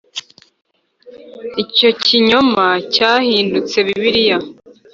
icyo kinyoma cyahindutse bibiliya